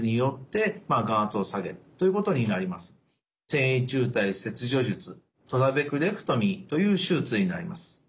線維柱帯切除術トラベクレクトミーという手術になります。